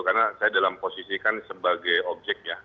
karena saya dalam posisi kan sebagai objeknya